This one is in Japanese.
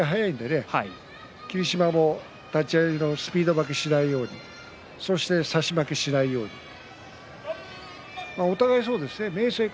とにかく明生は立ち合いが速いですから霧島は立ち合いのスピード負けをしないようにそして差し負けをしないようにお互いにそうですよ